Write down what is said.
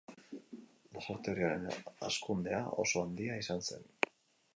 Lasarte-Oriaren hazkundea oso handia izan zen.